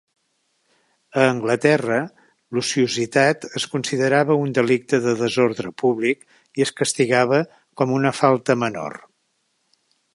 A Anglaterra, l'ociositat es considerava un delicte de desordre públic i es castigava com a una falta menor.